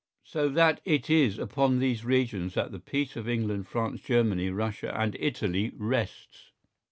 So that it is upon these regions that the peace of England, France, Germany, Russia and Italy rests.